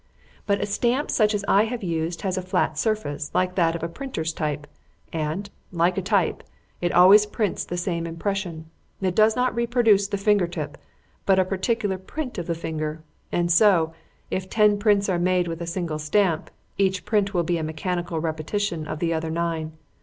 But a stamp such as I have used has a flat surface like that of a printer's type, and, like a type, it always prints the same impression. It does not reproduce the finger tip, but a particular print of the finger, and so, if ten prints are made with a single stamp, each print will be a mechanical repetition of the other nine.